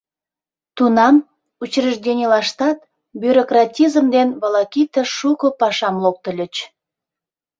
Тунам учрежденийлаштат бюрократизм ден волокита шуко пашам локтыльыч.